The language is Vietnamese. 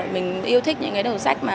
mình yêu thích những cái đầu sách